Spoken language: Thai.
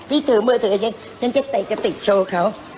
พี่เถอะเมื่อเถอะยังฉันจะเตะกะติดโชว์เค้า